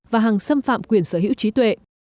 và hàng xâm phạm quyền sở hữu trí tuệ